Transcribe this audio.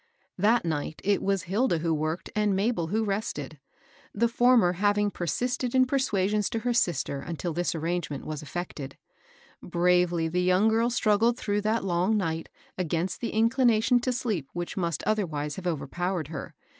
Tbat night it was Hilda wbo worked and Mabd wbo rested; tbe former^ baring persisted in per soanons to ber sister nntil tbis arrangement was effected Bravelj tbe young girl struggled tbroogb tbat long nigbt against tbe inclination to sleep wbich most otherwise have overpowered ber.